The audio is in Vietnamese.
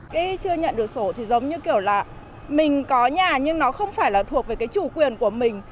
cái chưa nhận được sổ thì giống như kiểu là mình có nhà nhưng nó không phải là thuộc về cái chủ quyền của mình